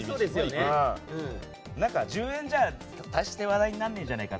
１０円じゃ、大して話題にならないんじゃないかと。